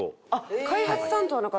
開発担当の方？